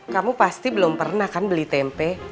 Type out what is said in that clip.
kamu pasti belum pernah kan beli tempe